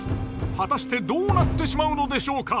果たしてどうなってしまうのでしょうか？